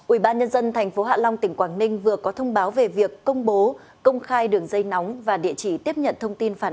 ubnd tp hạ long tỉnh quảng ninh vừa có thông báo về việc công bố công khai đường dây nóng và địa chỉ tiếp nhận thông tin phản ánh